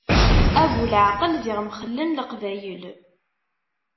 A bu leɛqel, ziɣ mxellen Leqbayel.